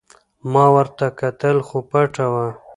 ما ورته کتل خو پټه وه.